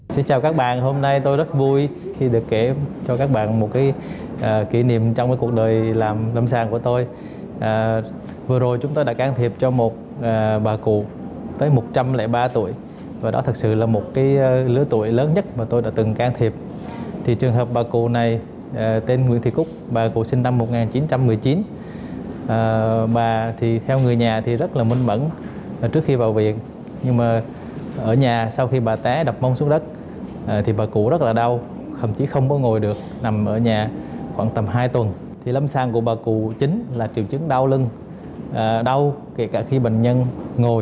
xin chào các bạn hôm nay tôi rất vui khi được kể cho các bạn một kỷ niệm trong cuộc đời làm sao